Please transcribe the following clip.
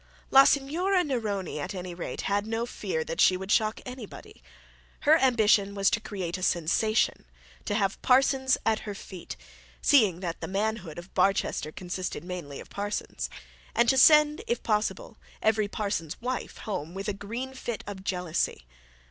La Signora Neroni had, at any rate, no fear that she would shock anybody. Her ambition was to create a sensation, to have parsons at her feet, seeing that the manhood of Barchester consisted mainly of parsons, and to send, if possible, every parson's wife home with a green fit of jealousy.